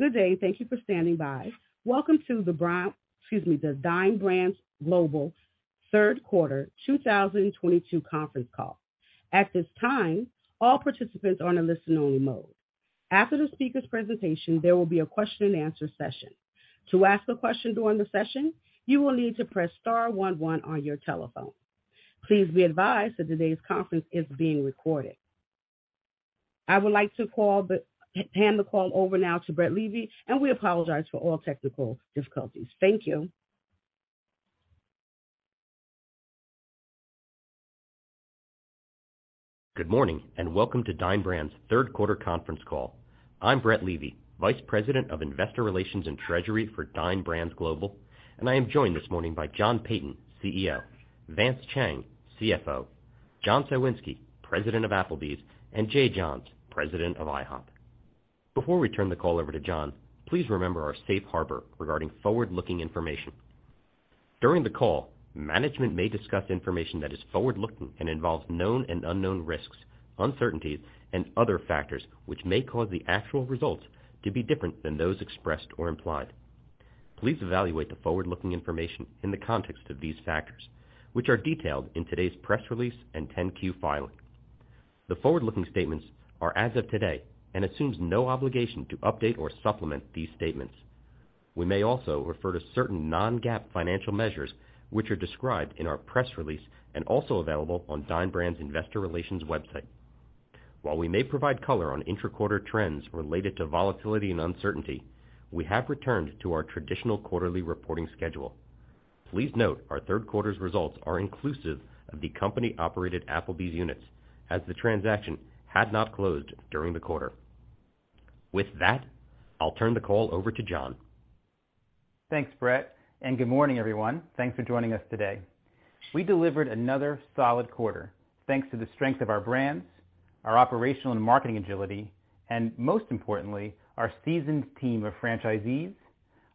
Good day. Thank you for standing by. Welcome to the Dine Brands Global third quarter 2022 conference call. At this time, all participants are in a listen only mode. After the speaker's presentation, there will be a question-and-answer session. To ask a question during the session, you will need to press star one one on your telephone. Please be advised that today's conference is being recorded. I would like to hand the call over now to Brett Levy, and we apologize for all technical difficulties. Thank you. Good morning and welcome to Dine Brands third quarter conference call. I'm Brett Levy, Vice President of Investor Relations and Treasury for Dine Brands Global. I am joined this morning by John Peyton, CEO, Vance Chang, CFO, John Cywinski, President of Applebee's, and Jay Johns, President of IHOP. Before we turn the call over to John, please remember our safe harbor regarding forward-looking information. During the call, management may discuss information that is forward-looking and involves known and unknown risks, uncertainties, and other factors which may cause the actual results to be different than those expressed or implied. Please evaluate the forward-looking information in the context of these factors, which are detailed in today's press release and 10-Q filing. The forward-looking statements are as of today and assumes no obligation to update or supplement these statements. We may also refer to certain non-GAAP financial measures, which are described in our press release and also available on Dine Brands' investor relations website. While we may provide color on intra-quarter trends related to volatility and uncertainty, we have returned to our traditional quarterly reporting schedule. Please note our third quarter's results are inclusive of the company-operated Applebee's units, as the transaction had not closed during the quarter. With that, I'll turn the call over to John. Thanks, Brett, and good morning, everyone. Thanks for joining us today. We delivered another solid quarter thanks to the strength of our brands, our operational and marketing agility, and most importantly, our seasoned team of franchisees,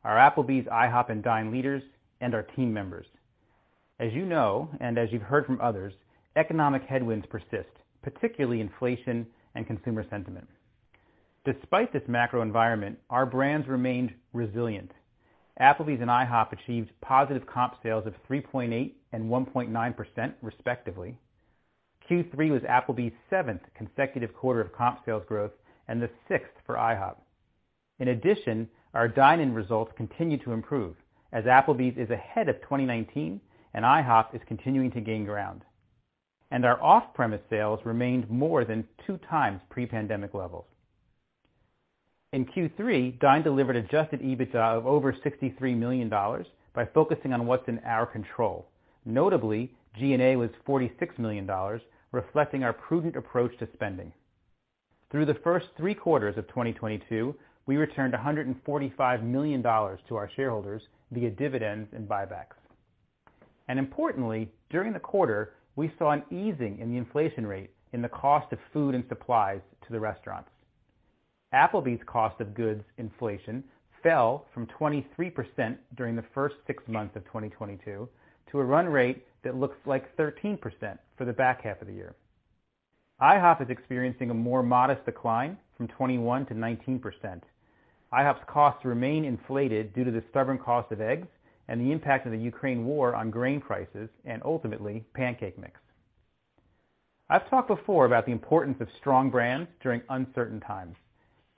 our Applebee's, IHOP, and Dine leaders, and our team members. As you know, and as you've heard from others, economic headwinds persist, particularly inflation and consumer sentiment. Despite this macro environment, our brands remained resilient. Applebee's and IHOP achieved positive comp sales of 3.8% and 1.9%, respectively. Q3 was Applebee's seventh consecutive quarter of comp sales growth and the sixth for IHOP. In addition, our dine-in results continue to improve as Applebee's is ahead of 2019 and IHOP is continuing to gain ground. Our off-premise sales remained more than two times pre-pandemic levels. In Q3, Dine delivered adjusted EBITDA of over $63 million by focusing on what's in our control. Notably, G&A was $46 million, reflecting our prudent approach to spending. Through the first three quarters of 2022, we returned $145 million to our shareholders via dividends and buybacks. Importantly, during the quarter, we saw an easing in the inflation rate in the cost of food and supplies to the restaurants. Applebee's cost of goods inflation fell from 23% during the first six months of 2022 to a run rate that looks like 13% for the back half of the year. IHOP is experiencing a more modest decline from 21%-19%. IHOP's costs remain inflated due to the stubborn cost of eggs and the impact of the Ukraine war on grain prices and ultimately pancake mix. I've talked before about the importance of strong brands during uncertain times.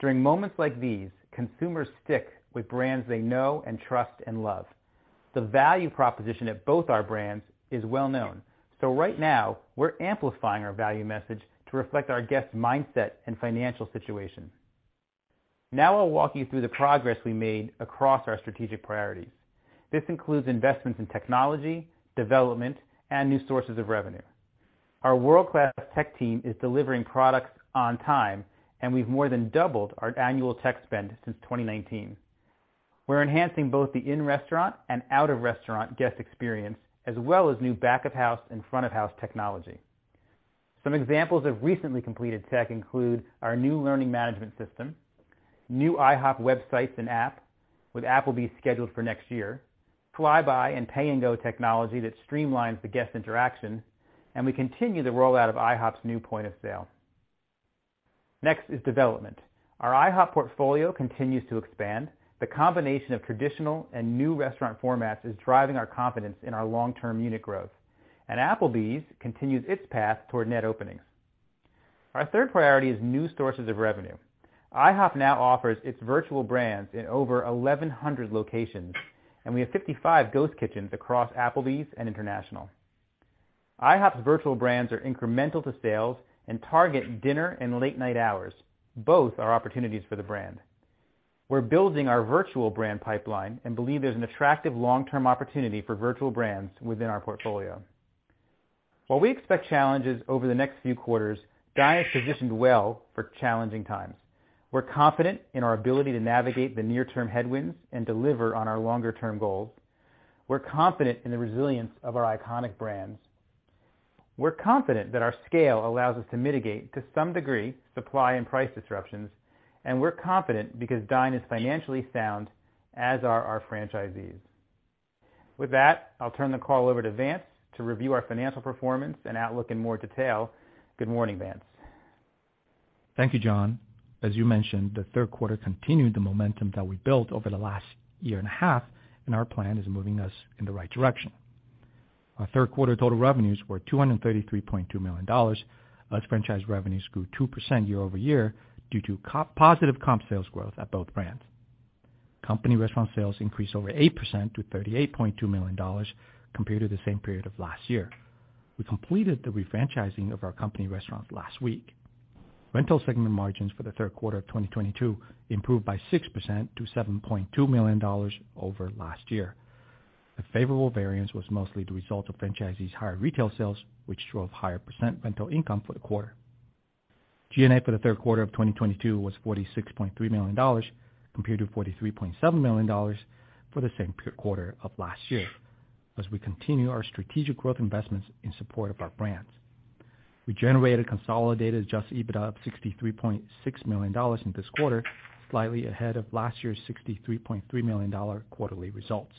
During moments like these, consumers stick with brands they know and trust and love. The value proposition at both our brands is well known. Right now we're amplifying our value message to reflect our guests mindset and financial situation. Now I'll walk you through the progress we made across our strategic priorities. This includes investments in technology, development, and new sources of revenue. Our world-class tech team is delivering products on time, and we've more than doubled our annual tech spend since 2019. We're enhancing both the in-restaurant and out-of-restaurant guest experience, as well as new back of house and front of house technology. Some examples of recently completed tech include our new learning management system, new IHOP websites and app, with Applebee's scheduled for next year, Flybuy and Pay and Go technology that streamlines the guest interaction, and we continue the rollout of IHOP's new point of sale. Next is development. Our IHOP portfolio continues to expand. The combination of traditional and new restaurant formats is driving our confidence in our long-term unit growth. Applebee's continues its path toward net openings. Our third priority is new sources of revenue. IHOP now offers its virtual brands in over 1,100 locations, and we have 55 ghost kitchens across Applebee's and IHOP. IHOP's virtual brands are incremental to sales and target dinner and late-night hours. Both are opportunities for the brand. We're building our virtual brand pipeline and believe there's an attractive long-term opportunity for virtual brands within our portfolio. While we expect challenges over the next few quarters, Dine is positioned well for challenging times. We're confident in our ability to navigate the near term headwinds and deliver on our longer term goals. We're confident in the resilience of our iconic brands. We're confident that our scale allows us to mitigate to some degree, supply and price disruptions, and we're confident because Dine is financially sound, as are our franchisees. With that, I'll turn the call over to Vance to review our financial performance and outlook in more detail. Good morning, Vance. Thank you, John. As you mentioned, the third quarter continued the momentum that we built over the last year and a half, and our plan is moving us in the right direction. Our third quarter total revenues were $233.2 million, as franchise revenues grew 2% year-over-year due to positive comp sales growth at both brands. Company restaurant sales increased over 8% to $38.2 million compared to the same period of last year. We completed the refranchising of our company restaurants last week. Rental segment margins for the third quarter of 2022 improved by 6% to $7.2 million over last year. The favorable variance was mostly the result of franchisees' higher retail sales, which drove higher percent rental income for the quarter. G&A for the third quarter of 2022 was $46.3 million compared to $43.7 million for the same quarter of last year as we continue our strategic growth investments in support of our brands. We generated consolidated adjusted EBITDA of $63.6 million in this quarter, slightly ahead of last year's $63.3 million quarterly results.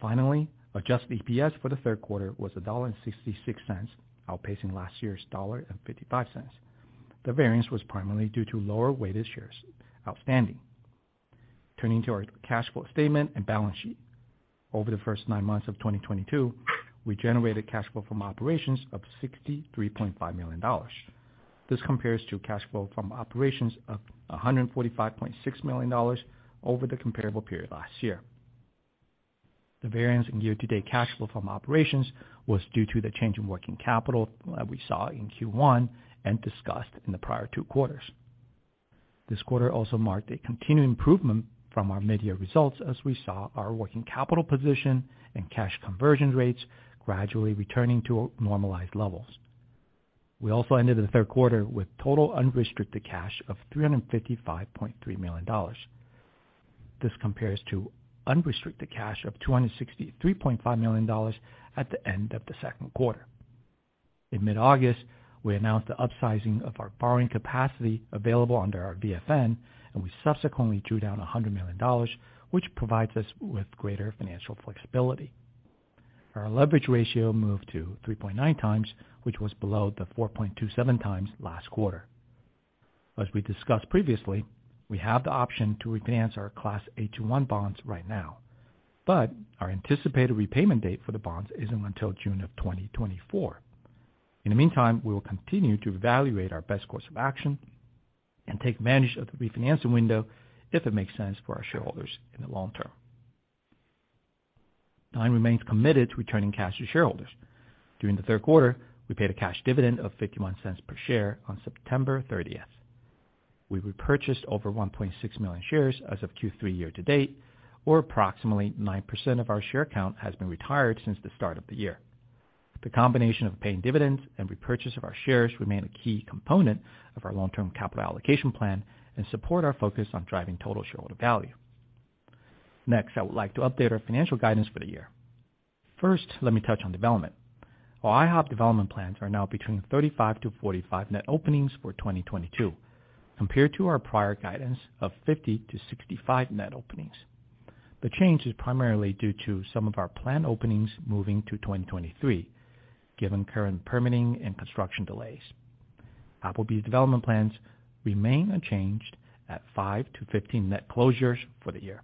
Finally, adjusted EPS for the third quarter was $1.66, outpacing last year's $1.55. The variance was primarily due to lower weighted shares outstanding. Turning to our cash flow statement and balance sheet. Over the first nine months of 2022, we generated cash flow from operations of $63.5 million. This compares to cash flow from operations of $145.6 million over the comparable period last year. The variance in year-to-date cash flow from operations was due to the change in working capital that we saw in Q1 and discussed in the prior two quarters. This quarter also marked a continued improvement from our mid-year results, as we saw our working capital position and cash conversion rates gradually returning to normalized levels. We also ended the third quarter with total unrestricted cash of $355.3 million. This compares to unrestricted cash of $263.5 million at the end of the second quarter. In mid-August, we announced the upsizing of our borrowing capacity available under our VFN, and we subsequently drew down $100 million, which provides us with greater financial flexibility. Our leverage ratio moved to 3.9 times, which was below the 4.27 times last quarter. As we discussed previously, we have the option to refinance our Class A-2-I bonds right now, but our anticipated repayment date for the bonds isn't until June 2024. In the meantime, we will continue to evaluate our best course of action and take advantage of the refinancing window if it makes sense for our shareholders in the long term. Dine remains committed to returning cash to shareholders. During the third quarter, we paid a cash dividend of $0.51 per share on September 30. We repurchased over 1.6 million shares as of Q3 year-to-date, or approximately 9% of our share count has been retired since the start of the year. The combination of paying dividends and repurchase of our shares remain a key component of our long-term capital allocation plan and support our focus on driving total shareholder value. Next, I would like to update our financial guidance for the year. First, let me touch on development. Our IHOP development plans are now between 35-45 net openings for 2022, compared to our prior guidance of 50-65 net openings. The change is primarily due to some of our planned openings moving to 2023, given current permitting and construction delays. Applebee's development plans remain unchanged at 5-15 net closures for the year.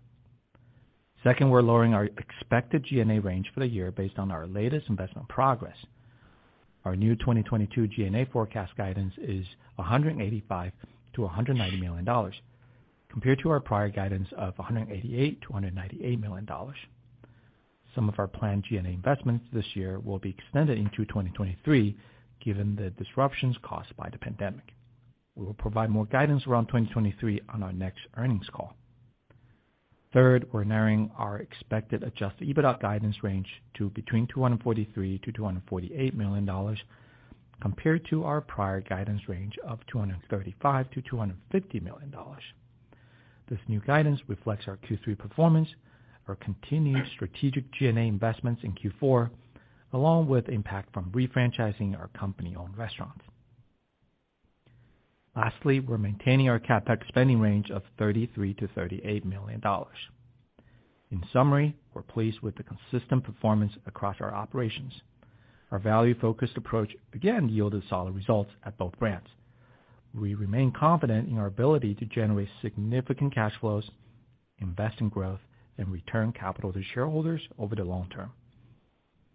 Second, we're lowering our expected G&A range for the year based on our latest investment progress. Our new 2022 G&A forecast guidance is $185-190 million compared to our prior guidance of $188-198 million. Some of our planned G&A investments this year will be extended into 2023, given the disruptions caused by the pandemic. We will provide more guidance around 2023 on our next earnings call. Third, we're narrowing our expected adjusted EBITDA guidance range to between $243-248 million compared to our prior guidance range of $235-250 million. This new guidance reflects our Q3 performance, our continued strategic G&A investments in Q4, along with impact from refranchising our company-owned restaurants. Lastly, we're maintaining our CapEx spending range of $33-38 million. In summary, we're pleased with the consistent performance across our operations. Our value-focused approach again yielded solid results at both brands. We remain confident in our ability to generate significant cash flows, invest in growth, and return capital to shareholders over the long term.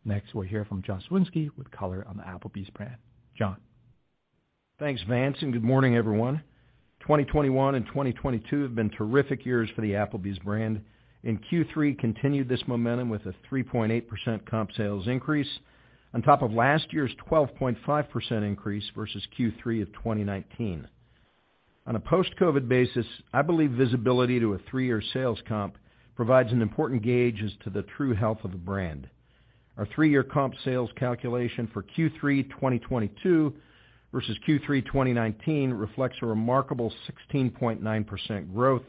Next, we'll hear from John Cywinski with color on the Applebee's brand. John? Thanks, Vance, and good morning, everyone. 2021 and 2022 have been terrific years for the Applebee's brand, and Q3 continued this momentum with a 3.8% comp sales increase on top of last year's 12.5% increase versus Q3 of 2019. On a post-COVID basis, I believe visibility to a three-year sales comp provides an important gauge as to the true health of the brand. Our three-year comp sales calculation for Q3 2022 versus Q3 2019 reflects a remarkable 16.9% growth,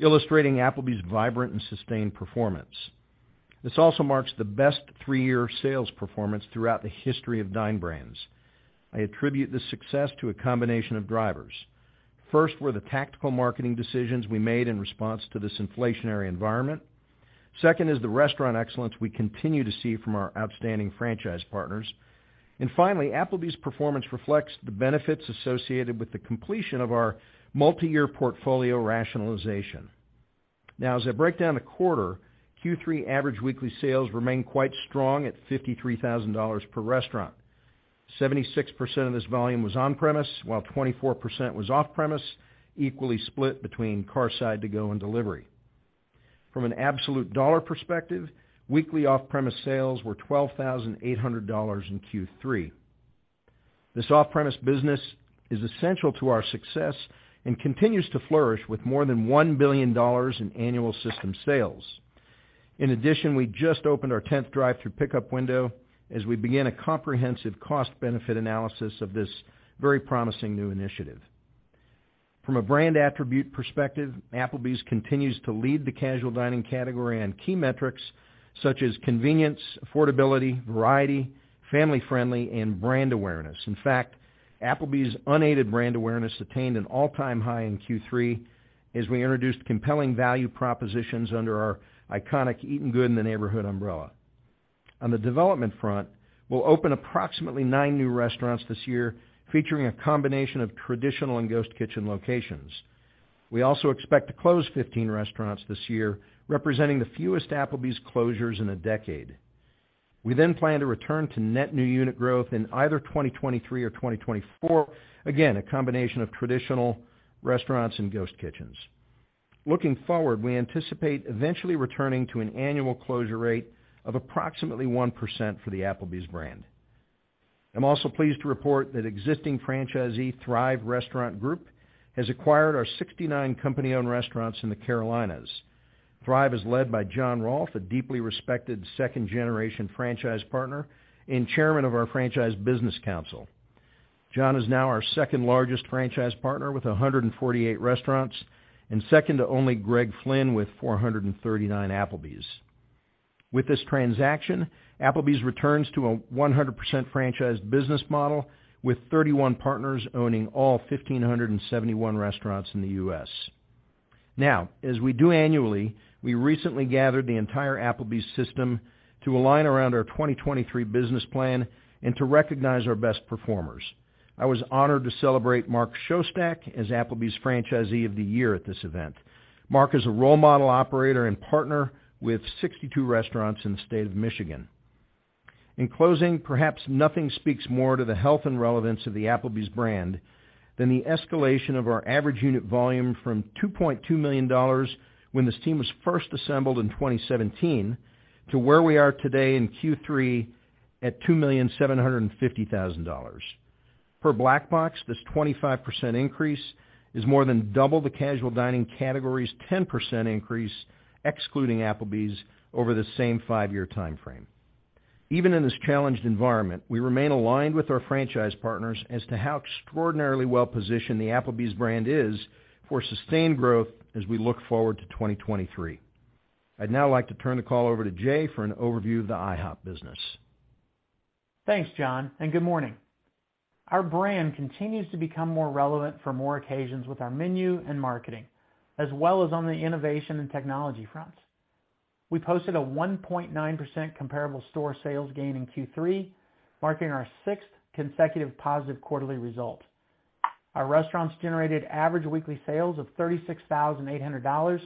illustrating Applebee's vibrant and sustained performance. This also marks the best three-year sales performance throughout the history of Dine Brands. I attribute this success to a combination of drivers. First were the tactical marketing decisions we made in response to this inflationary environment. Second is the restaurant excellence we continue to see from our outstanding franchise partners. Finally, Applebee's performance reflects the benefits associated with the completion of our multiyear portfolio rationalization. Now as I break down the quarter, Q3 average weekly sales remain quite strong at $53,000 per restaurant. 76% of this volume was on-premise, while 24% was off-premise, equally split between curbside to-go and delivery. From an absolute dollar perspective, weekly off-premise sales were $12,800 in Q3. This off-premise business is essential to our success and continues to flourish with more than $1 billion in annual system sales. In addition, we just opened our 10th drive through pickup window as we begin a comprehensive cost benefit analysis of this very promising new initiative. From a brand attribute perspective, Applebee's continues to lead the casual dining category on key metrics such as convenience, affordability, variety, family-friendly, and brand awareness. In fact, Applebee's unaided brand awareness attained an all-time high in Q3 as we introduced compelling value propositions under our iconic Eatin' Good in the Neighborhood umbrella. On the development front, we'll open approximately nine new restaurants this year, featuring a combination of traditional and ghost kitchen locations. We also expect to close 15 restaurants this year, representing the fewest Applebee's closures in a decade. We then plan to return to net new unit growth in either 2023 or 2024. Again, a combination of traditional restaurants and ghost kitchens. Looking forward, we anticipate eventually returning to an annual closure rate of approximately 1% for the Applebee's brand. I'm also pleased to report that existing franchisee Thrive Restaurant Group has acquired our 69 company-owned restaurants in the Carolinas. Thrive is led by Jon Rolph, a deeply respected second-generation franchise partner and chairman of our franchise business council. Jon is now our second largest franchise partner with 148 restaurants, and second to only Greg Flynn with 439 Applebee's. With this transaction, Applebee's returns to a 100% franchised business model, with 31 partners owning all 1,571 restaurants in the U.S. Now, as we do annually, we recently gathered the entire Applebee's system to align around our 2023 business plan and to recognize our best performers. I was honored to celebrate Mark Schostak as Applebee's franchisee of the year at this event. Mark is a role model operator and partner with 62 restaurants in the state of Michigan. In closing, perhaps nothing speaks more to the health and relevance of the Applebee's brand than the escalation of our average unit volume from $2.2 million when this team was first assembled in 2017 to where we are today in Q3 at $2.75 million. Per Black Box, this 25% increase is more than double the casual dining category's 10% increase, excluding Applebee's, over the same five-year timeframe. Even in this challenged environment, we remain aligned with our franchise partners as to how extraordinarily well-positioned the Applebee's brand is for sustained growth as we look forward to 2023. I'd now like to turn the call over to Jay for an overview of the IHOP business. Thanks, John, and good morning. Our brand continues to become more relevant for more occasions with our menu and marketing, as well as on the innovation and technology fronts. We posted a 1.9% comparable store sales gain in Q3, marking our sixth consecutive positive quarterly result. Our restaurants generated average weekly sales of $36,800,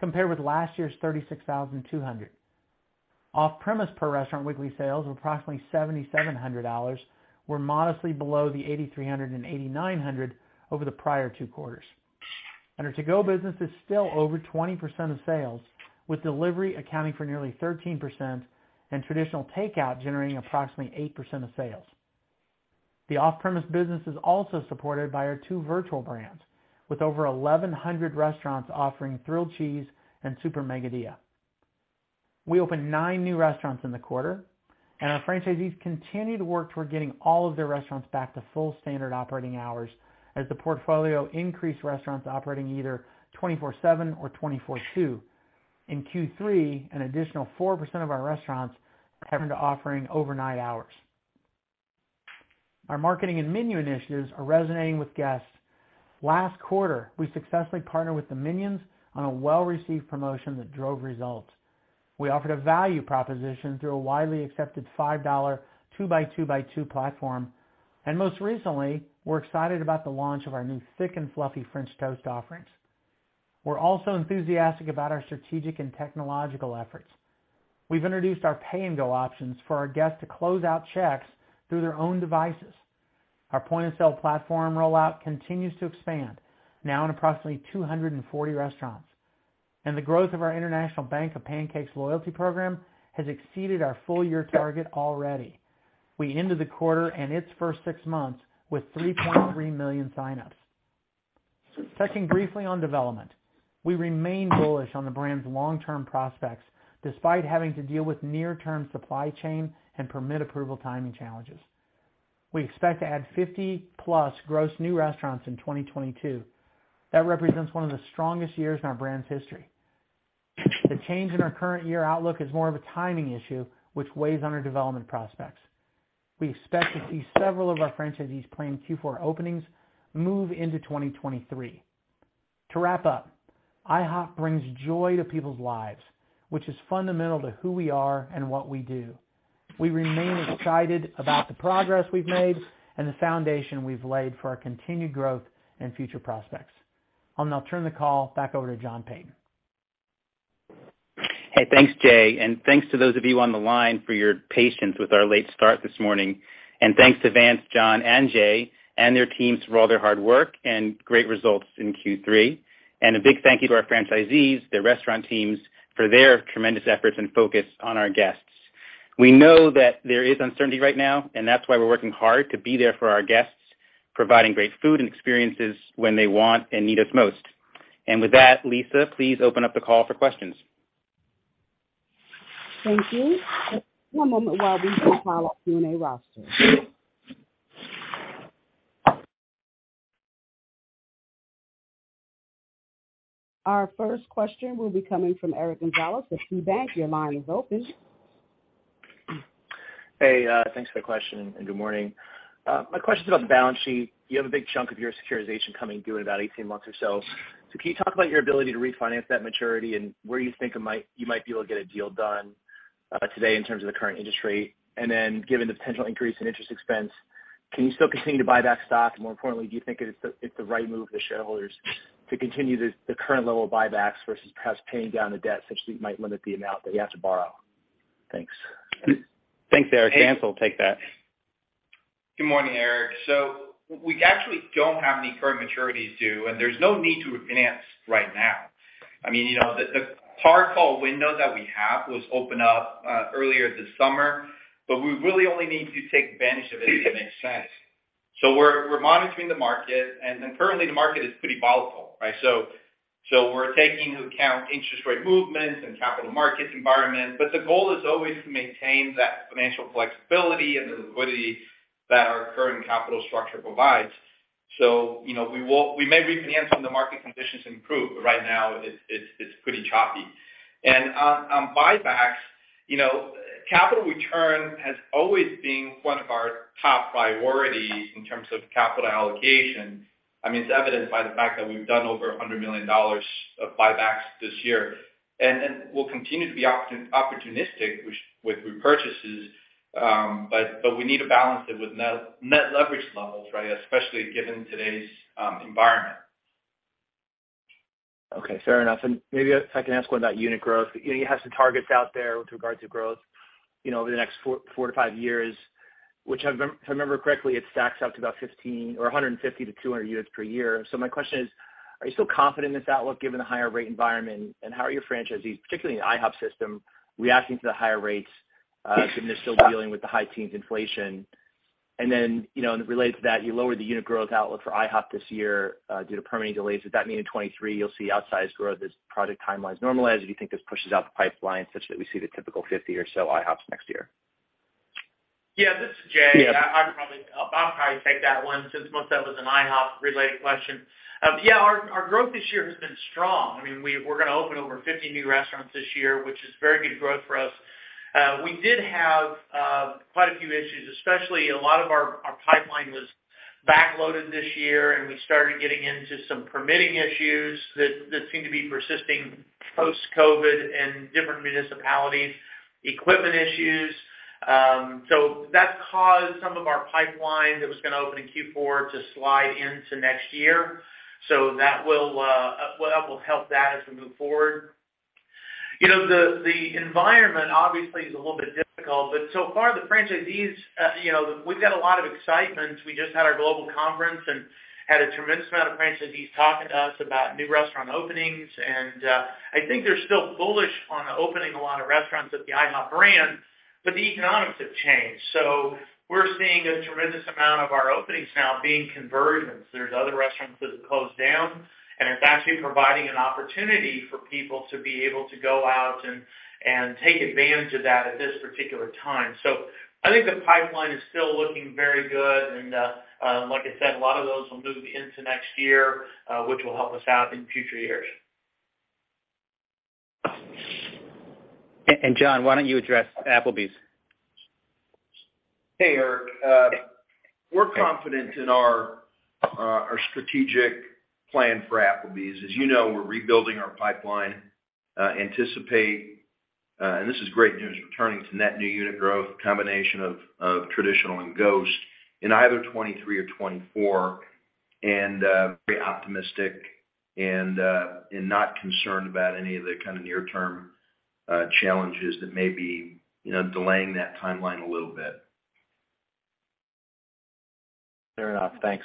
compared with last year's $36,200. Off-premise per restaurant weekly sales of approximately $7,700 were modestly below the $8,300 and $8,900 over the prior two quarters. Our to-go business is still over 20% of sales, with delivery accounting for nearly 13% and traditional takeout generating approximately 8% of sales. The off-premise business is also supported by our two virtual brands, with over 1,100 restaurants offering TenderFix and Super Mega Dilla. We opened nine new restaurants in the quarter, and our franchisees continue to work toward getting all of their restaurants back to full standard operating hours as the portfolio increased, restaurants operating either 24/7 or 24/2. In Q3, an additional 4% of our restaurants have been offering overnight hours. Our marketing and menu initiatives are resonating with guests. Last quarter, we successfully partnered with the Minions on a well-received promotion that drove results. We offered a value proposition through a widely accepted $5 2x2x2 platform. Most recently, we're excited about the launch of our new Thick and Fluffy French Toast offerings. We're also enthusiastic about our strategic and technological efforts. We've introduced our Pay and Go options for our guests to close out checks through their own devices. Our point-of-sale platform rollout continues to expand, now in approximately 240 restaurants. The growth of our International Bank of Pancakes loyalty program has exceeded our full-year target already. We ended the quarter and its first six months with 3.3 million sign-ups. Checking briefly on development. We remain bullish on the brand's long-term prospects, despite having to deal with near-term supply chain and permit approval timing challenges. We expect to add 50+ gross new restaurants in 2022. That represents one of the strongest years in our brand's history. The change in our current year outlook is more of a timing issue, which weighs on our development prospects. We expect to see several of our franchisees planned Q4 openings move into 2023. To wrap up, IHOP brings joy to people's lives, which is fundamental to who we are and what we do. We remain excited about the progress we've made and the foundation we've laid for our continued growth and future prospects. I'll now turn the call back over to John Peyton. Hey, thanks, Jay, and thanks to those of you on the line for your patience with our late start this morning. Thanks to Vance Chang, John Peyton, and Jay Johns and their teams for all their hard work and great results in Q3. A big thank you to our franchisees, their restaurant teams for their tremendous efforts and focus on our guests. We know that there is uncertainty right now, and that's why we're working hard to be there for our guests, providing great food and experiences when they want and need us most. With that, Lisa, please open up the call for questions. Thank you. One moment while we pull up the Q&A roster. Our first question will be coming from Eric Gonzalez of KeyBanc. Your line is open. Hey, thanks for the question and good morning. My question is about the balance sheet. You have a big chunk of your securitization coming due in about 18 months or so. Can you talk about your ability to refinance that maturity and where you think you might be able to get a deal done today in terms of the current industry? And then given the potential increase in interest expense, can you still continue to buy back stock? And more importantly, do you think it's the right move for shareholders to continue the current level of buybacks versus perhaps paying down the debt such that it might limit the amount that you have to borrow? Thanks. Thanks, Eric. Vance will take that. Good morning, Eric. We actually don't have any current maturities due, and there's no need to refinance right now. I mean, you know, the hard call window that we have was opened up earlier this summer, but we really only need to take advantage of it if it makes sense. We're monitoring the market, and currently the market is pretty volatile, right? We're taking into account interest rate movements and capital markets environment. The goal is always to maintain that financial flexibility and the liquidity that our current capital structure provides. You know, we may refinance when the market conditions improve, but right now it's pretty choppy. On buybacks, you know, capital return has always been one of our top priorities in terms of capital allocation. I mean, it's evidenced by the fact that we've done over $100 million of buybacks this year. We'll continue to be opportunistic with repurchases, but we need to balance it with net leverage levels, right? Especially given today's environment. Okay, fair enough. Maybe if I can ask one about unit growth. You know, you have some targets out there with regards to growth, you know, over the next four to five years, which if I remember correctly, it stacks out to about 15 or 150 to 200 units per year. My question is, are you still confident in this outlook given the higher rate environment? How are your franchisees, particularly in the IHOP system, reacting to the higher rates, given they're still dealing with the high teens inflation? You know, related to that, you lowered the unit growth outlook for IHOP this year due to permitting delays. Does that mean in 2023 you'll see outsized growth as project timelines normalize? Do you think this pushes out the pipeline such that we see the typical 50 or so IHOPs next year? Yeah. This is Jay. Yeah. I'll probably take that one since most of it was an IHOP related question. Yeah, our growth this year has been strong. I mean, we're gonna open over 50 new restaurants this year, which is very good growth for us. We did have quite a few issues, especially a lot of our pipeline was backloaded this year, and we started getting into some permitting issues that seem to be persisting post-COVID in different municipalities, equipment issues. That's caused some of our pipeline that was gonna open in Q4 to slide into next year. That will, well, we'll help that as we move forward. You know, the environment obviously is a little bit difficult, but so far the franchisees, you know, we've got a lot of excitement. We just had our global conference and had a tremendous amount of franchisees talking to us about new restaurant openings. I think they're still bullish on opening a lot of restaurants at the IHOP brand, but the economics have changed. We're seeing a tremendous amount of our openings now being conversions. There's other restaurants that have closed down, and it's actually providing an opportunity for people to be able to go out and take advantage of that at this particular time. I think the pipeline is still looking very good. Like I said, a lot of those will move into next year, which will help us out in future years. John, why don't you address Applebee's? Hey, Eric. We're confident in our strategic plan for Applebee's. As you know, we're rebuilding our pipeline, and this is great news, returning to net new unit growth, combination of traditional and ghost in either 2023 or 2024, very optimistic and not concerned about any of the kind of near term challenges that may be, you know, delaying that timeline a little bit. Fair enough. Thanks.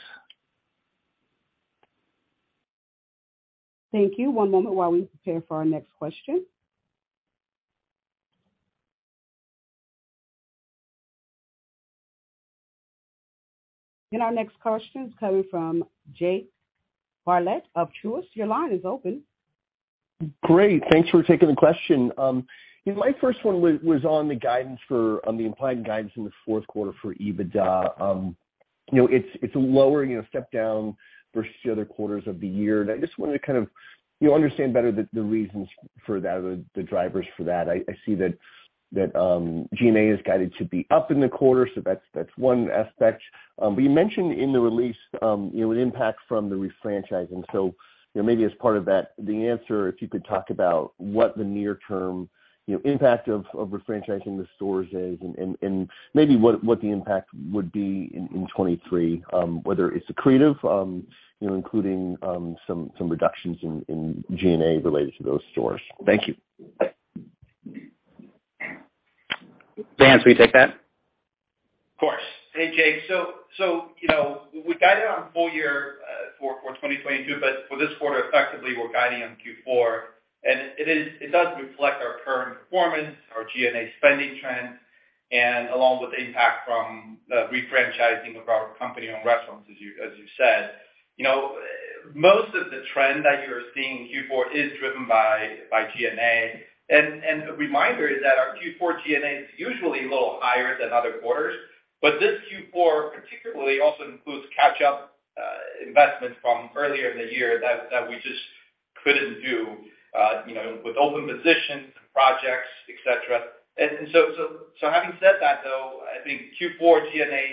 Thank you. One moment while we prepare for our next question. Our next question is coming from Jake Bartlett of Truist. Your line is open. Great. Thanks for taking the question. You know, my first one was on the implied guidance in the fourth quarter for EBITDA. You know, it's a lower, you know, step down versus the other quarters of the year. I just wanted to kind of, you know, understand better the reasons for that or the drivers for that. I see that G&A is guided to be up in the quarter, so that's one aspect. You mentioned in the release, you know, an impact from the refranchising. You know, maybe as part of that, the answer, if you could talk about what the near-term, you know, impact of refranchising the stores is and maybe what the impact would be in 2023, whether it's accretive, you know, including some reductions in G&A related to those stores. Thank you. Vance, will you take that? Of course. Hey, Jake. You know, we guided on full-year for 2022, but for this quarter, effectively we're guiding on Q4. It does reflect our current performance, our G&A spending trends, and along with impact from the refranchising of our company-owned restaurants as you said. You know, most of the trend that you're seeing in Q4 is driven by G&A. A reminder is that our Q4 G&A is usually a little higher than other quarters, but this Q4 particularly also includes catch-up investments from earlier in the year that we just couldn't do, you know, with open positions and projects, et cetera. Having said that, though, I think Q4 G&A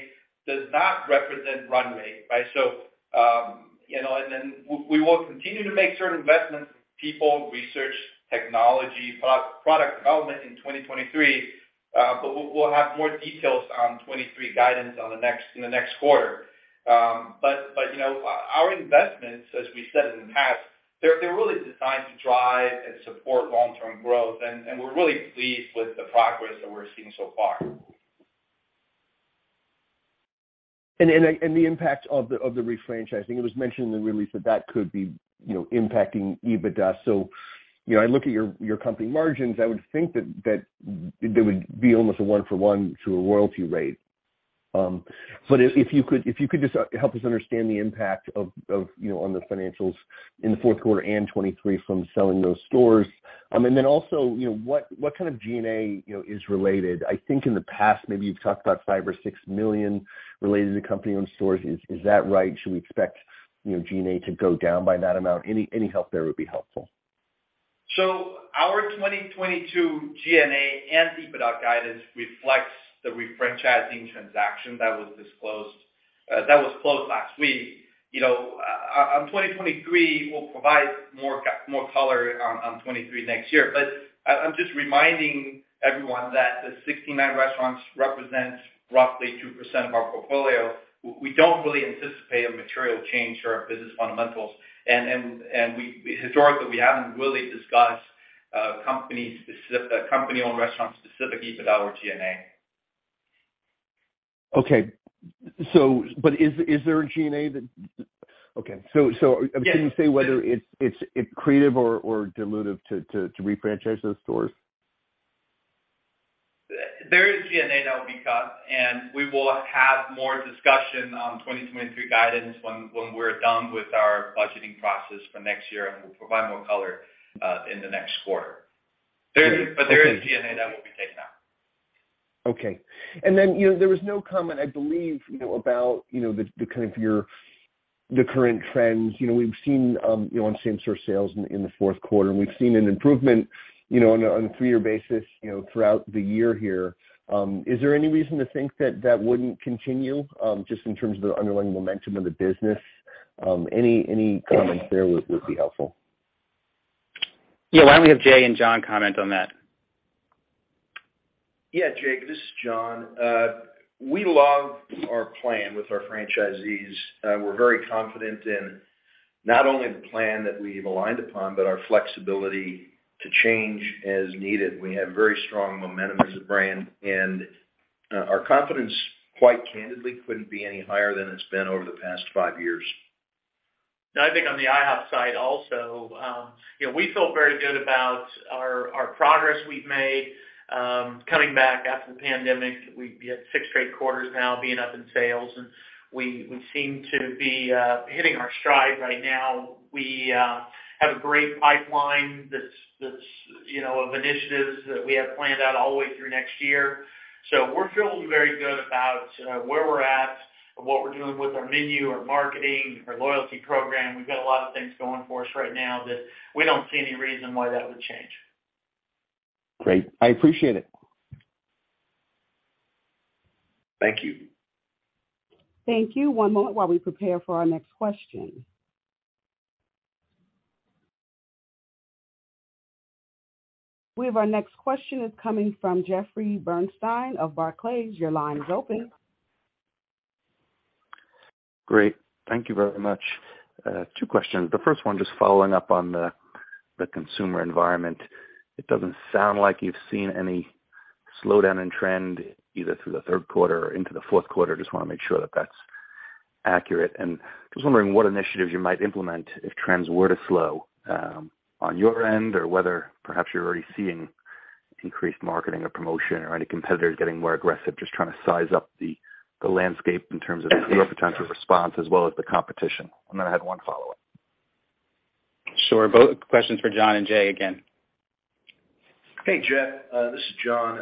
does not represent runway. Right? You know, and then we will continue to make certain investments in people, research, technology, product development in 2023, but we'll have more details on 2023 guidance in the next quarter. You know, our investments, as we said in the past, they're really designed to drive and support long-term growth. We're really pleased with the progress that we're seeing so far. The impact of the refranchising, it was mentioned in the release that could be, you know, impacting EBITDA. You know, I look at your company margins, I would think that there would be almost a one for one to a royalty rate. But if you could just help us understand the impact of, you know, on the financials in the fourth quarter and 2023 from selling those stores. Then also, you know, what kind of G&A, you know, is related? I think in the past, maybe you've talked about $5-6 million related to company-owned stores. Is that right? Should we expect, you know, G&A to go down by that amount? Any help there would be helpful. Our 2022 G&A and EBITDA guidance reflects the refranchising transaction that was disclosed, that was closed last week. On 2023, we'll provide more color on 2023 next year. I'm just reminding everyone that the 69 restaurants represents roughly 2% of our portfolio. We don't really anticipate a material change to our business fundamentals. Historically, we haven't really discussed company-owned restaurants' specific EBITDA or G&A. Is there a G&A? Yes Can you say whether it's accretive or dilutive to refranchise those stores? There is G&A that will be cut, and we will have more discussion on 2023 guidance when we're done with our budgeting process for next year, and we'll provide more color in the next quarter. Okay. There is G&A that will be taken out. Okay. Then, you know, there was no comment, I believe, you know, about the current trends. You know, we've seen you know, on same store sales in the fourth quarter, and we've seen an improvement, you know, on a three-year basis, you know, throughout the year here. Is there any reason to think that wouldn't continue just in terms of the underlying momentum of the business? Any comments there would be helpful. Yeah. Why don't we have Jay and John comment on that? Yeah, Jake, this is John. We love our plan with our franchisees. We're very confident in not only the plan that we've aligned upon, but our flexibility to change as needed. We have very strong momentum as a brand, and our confidence, quite candidly, couldn't be any higher than it's been over the past five years. No, I think on the IHOP side also, you know, we feel very good about our progress we've made. Coming back after the pandemic, we've 6 straight quarters now being up in sales, and we seem to be hitting our stride right now. We have a great pipeline that's, you know, of initiatives that we have planned out all the way through next year. We're feeling very good about where we're at and what we're doing with our menu, our marketing, our loyalty program. We've got a lot of things going for us right now that we don't see any reason why that would change. Great. I appreciate it. Thank you. Thank you. One moment while we prepare for our next question. We have our next question coming from Jeffrey Bernstein of Barclays. Your line is open. Great. Thank you very much. Two questions. The first one just following up on the consumer environment. It doesn't sound like you've seen any slowdown in trend, either through the third quarter or into the fourth quarter. Just wanna make sure that that's accurate. Just wondering what initiatives you might implement if trends were to slow on your end, or whether perhaps you're already seeing increased marketing or promotion or any competitors getting more aggressive, just trying to size up the landscape in terms of your potential response as well as the competition. I had one follow-up. Sure. Both questions for John and Jay again. Hey, Jeff, this is John.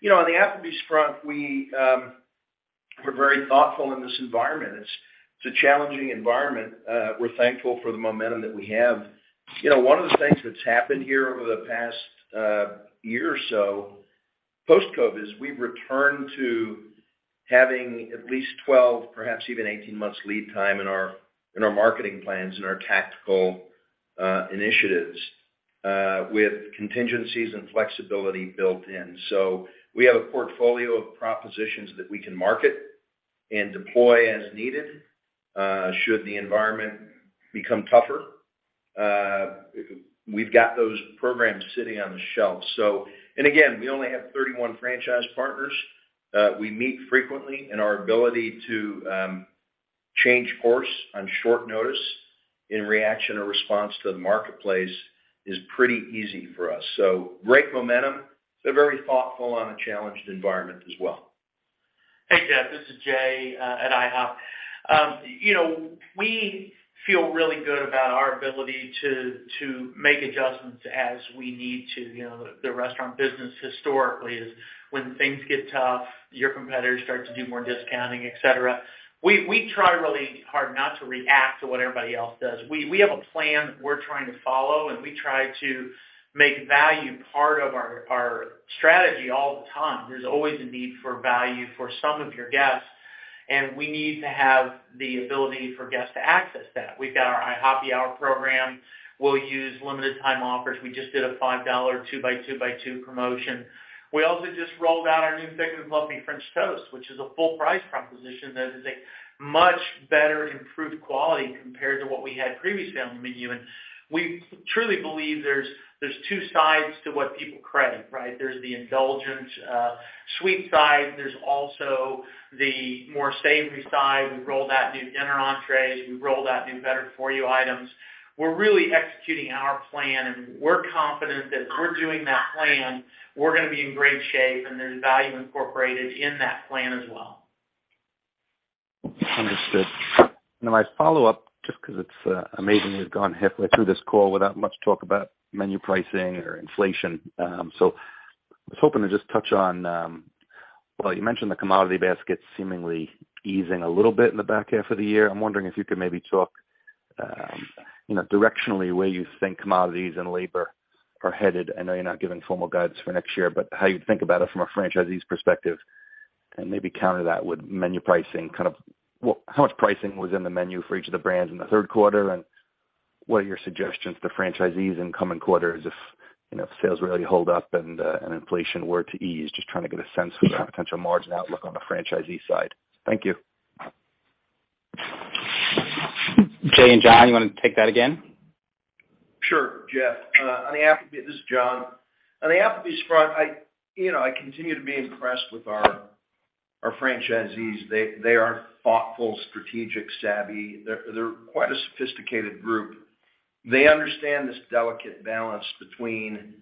You know, on the Applebee's front, we're very thoughtful in this environment. It's a challenging environment. We're thankful for the momentum that we have. You know, one of the things that's happened here over the past year or so post-COVID is we've returned to having at least 12, perhaps even 18 months lead time in our marketing plans and our tactical initiatives with contingencies and flexibility built in. We have a portfolio of propositions that we can market and deploy as needed. Should the environment become tougher, we've got those programs sitting on the shelf. Again, we only have 31 franchise partners. We meet frequently, and our ability to change course on short notice in reaction or response to the marketplace is pretty easy for us. Great momentum. Very thoughtful in a challenging environment as well. Hey, Jeff, this is Jay at IHOP. You know, we feel really good about our ability to make adjustments as we need to. You know, the restaurant business historically is when things get tough, your competitors start to do more discounting, et cetera. We try really hard not to react to what everybody else does. We have a plan we're trying to follow, and we try to make value part of our strategy all the time. There's always a need for value for some of your guests, and we need to have the ability for guests to access that. We've got our IHOPPY Hour program. We'll use limited time offers. We just did a $5 2x2x2 promotion. We also just rolled out our new Thick and Fluffy French Toast, which is a full price proposition that is a much better improved quality compared to what we had previously on the menu. We truly believe there's two sides to what people crave, right? There's the indulgent, sweet side. There's also the more savory side. We rolled out new dinner entrees. We rolled out new better for you items. We're really executing our plan, and we're confident as we're doing that plan, we're gonna be in great shape, and there's value incorporated in that plan as well. Understood. My follow-up, just 'cause it's amazing we've gone halfway through this call without much talk about menu pricing or inflation. I was hoping to just touch on, well, you mentioned the commodity basket seemingly easing a little bit in the back half of the year. I'm wondering if you could maybe talk, you know, directionally where you think commodities and labor are headed. I know you're not giving formal guidance for next year, but how you think about it from a franchisee's perspective, and maybe counter that with menu pricing, how much pricing was in the menu for each of the brands in the third quarter, and what are your suggestions to franchisees in coming quarters if, you know, sales really hold up and inflation were to ease? Just trying to get a sense of the potential margin outlook on the franchisee side. Thank you. Jay and John, you wanna take that again? Sure. Jeff, on the Applebee's. This is John. On the Applebee's front, you know, I continue to be impressed with our franchisees. They are thoughtful, strategic, savvy. They're quite a sophisticated group. They understand this delicate balance between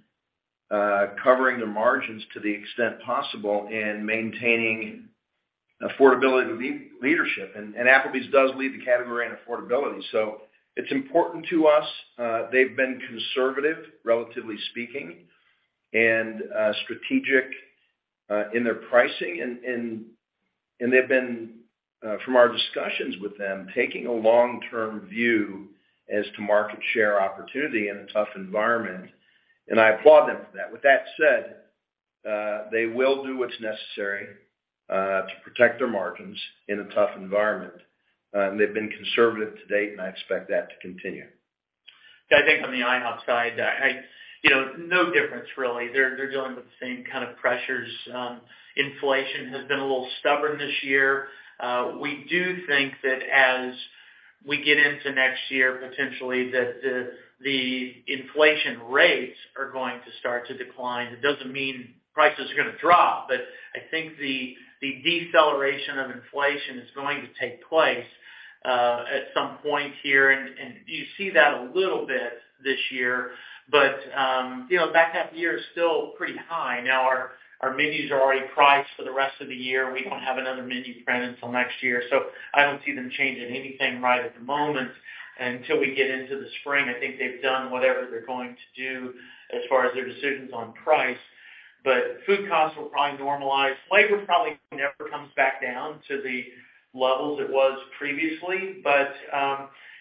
covering their margins to the extent possible and maintaining affordability leadership. Applebee's does lead the category in affordability, so it's important to us. They've been conservative, relatively speaking, and strategic in their pricing. They've been, from our discussions with them, taking a long-term view as to market share opportunity in a tough environment, and I applaud them for that. With that said, they will do what's necessary to protect their margins in a tough environment. They've been conservative to date, and I expect that to continue. Yeah, I think on the IHOP side, you know, no difference really. They're dealing with the same kind of pressures. Inflation has been a little stubborn this year. We do think that as we get into next year, potentially that the inflation rates are going to start to decline. That doesn't mean prices are gonna drop, but I think the deceleration of inflation is going to take place at some point here. You see that a little bit this year. You know, back half year is still pretty high. Now, our menus are already priced for the rest of the year. We don't have another menu planned until next year, so I don't see them changing anything right at the moment until we get into the spring. I think they've done whatever they're going to do as far as their decisions on price. Food costs will probably normalize. Labor probably never comes back down to the levels it was previously, but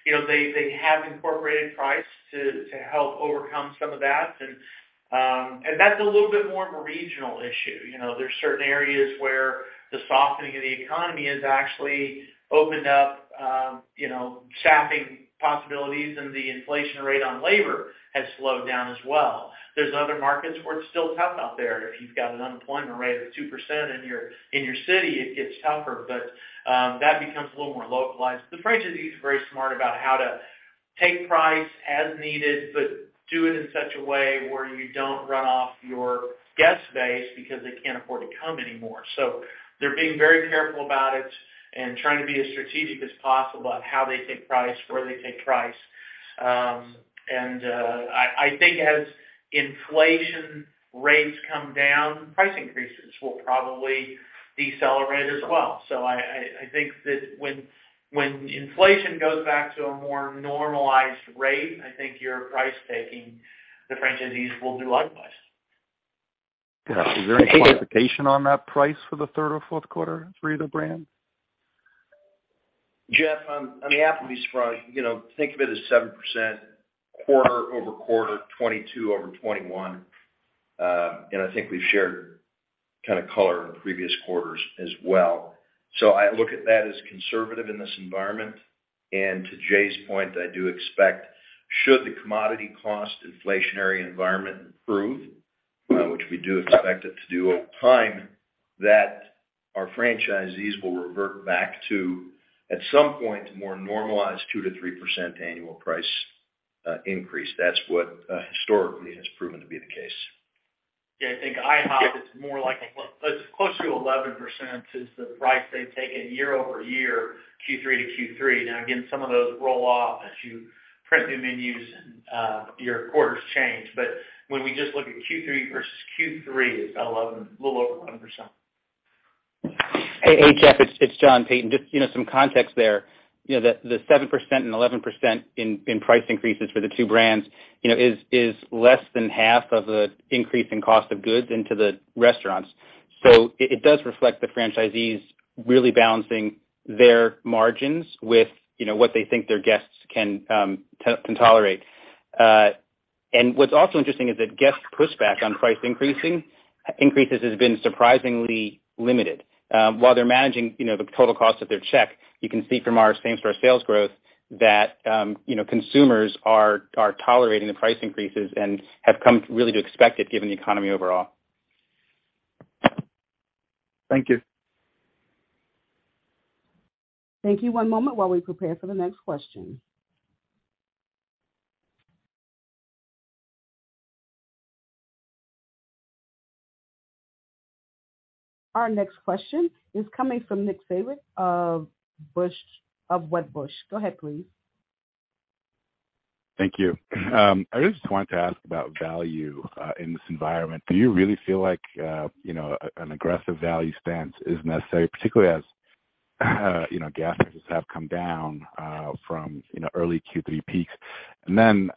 you know, they have incorporated price to help overcome some of that. That's a little bit more of a regional issue. You know, there's certain areas where the softening of the economy has actually opened up you know, staffing possibilities and the inflation rate on labor has slowed down as well. There's other markets where it's still tough out there. If you've got an unemployment rate of 2% in your city, it gets tougher. That becomes a little more localized. The franchisee is very smart about how to take price as needed, but do it in such a way where you don't run off your guest base because they can't afford to come anymore. They're being very careful about it and trying to be as strategic as possible on how they take price, where they take price. I think as inflation rates come down, price increases will probably decelerate as well. I think that when inflation goes back to a more normalized rate, I think your price taking, the franchisees will do likewise. Yeah. Is there any qualification on that price for the third or fourth quarter for either brand? Jeffrey, on the Applebee's front, you know, think of it as 7% quarter-over-quarter, 2022 over 2021. I think we've shared kind of color in previous quarters as well. I look at that as conservative in this environment. To Jay's point, I do expect should the commodity cost inflationary environment improve, which we do expect it to do over time, that our franchisees will revert back to, at some point, more normalized 2%-3% annual price increase. That's what historically has proven to be the case. Yeah, I think IHOP is more like it's close to 11% is the price they've taken year-over-year, Q3 to Q3. Now, again, some of those roll off as you print new menus and your quarters change. When we just look at Q3 versus Q3, it's about 11, a little over 11%. Hey, Jeff. It's John Peyton. Just, you know, some context there. You know, the 7% and 11% in price increases for the two brands, you know, is less than half of the increase in cost of goods into the restaurants. It does reflect the franchisees really balancing their margins with, you know, what they think their guests can tolerate. What's also interesting is that guests push back on price increases has been surprisingly limited. While they're managing, you know, the total cost of their check, you can see from our same store sales growth that, you know, consumers are tolerating the price increases and have come really to expect it given the economy overall. Thank you. Thank you. One moment while we prepare for the next question. Our next question is coming from Nick Setyan of Wedbush. Go ahead, please. Thank you. I just wanted to ask about value in this environment. Do you really feel like you know an aggressive value stance is necessary, particularly as you know gas prices have come down from early Q3 peaks? In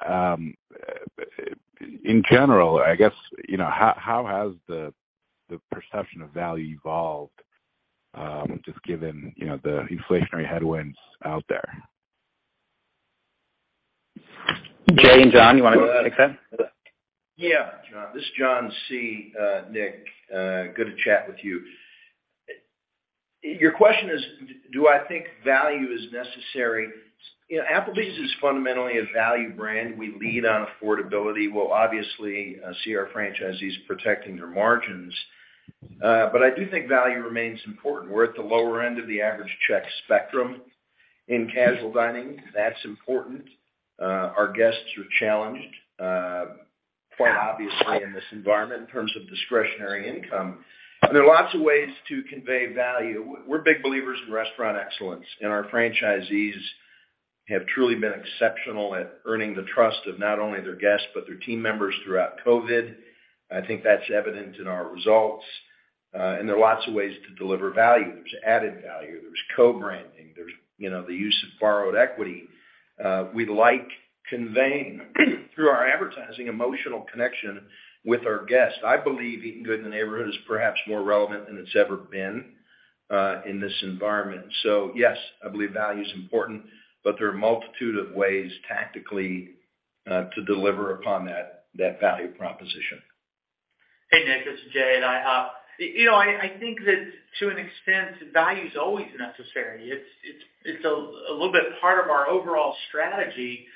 general, I guess, you know, how has the perception of value evolved just given you know the inflationary headwinds out there? Jay and John, you wanna take that? Yeah, John. This is John C., Nick. Good to chat with you. Your question is, do I think value is necessary? You know, Applebee's is fundamentally a value brand. We lead on affordability. We'll obviously see our franchisees protecting their margins. I do think value remains important. We're at the lower end of the average check spectrum in casual dining. That's important. Our guests are challenged, quite obviously in this environment in terms of discretionary income. There are lots of ways to convey value. We're big believers in restaurant excellence, and our franchisees have truly been exceptional at earning the trust of not only their guests, but their team members throughout COVID. I think that's evident in our results. There are lots of ways to deliver value. There's added value, there's co-branding, there's, you know, the use of borrowed equity. We like conveying through our advertising emotional connection with our guests. I believe Eating Good in the Neighborhood is perhaps more relevant than it's ever been in this environment. Yes, I believe value is important, but there are a multitude of ways tactically to deliver upon that value proposition. Hey, Nick, this is Jay Johns at IHOP. You know, I think that to an extent, value is always necessary. It's a little bit part of our overall strategy